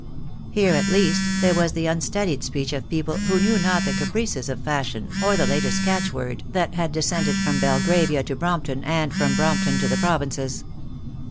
Here at least there was the unstudied speech of people who knew not the caprices of fashion or the latest catch word that had descended from Belgravia to Bromp ton, and from Brompton to the provinces.